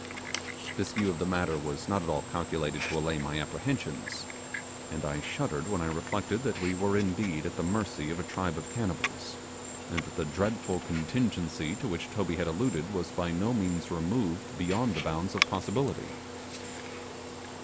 This view of the matter was not at all calculated to allay my apprehensions, and I shuddered when I reflected that we were indeed at the mercy of a tribe of cannibals, and that the dreadful contingency to which Toby had alluded was by no means removed beyond the bounds of possibility.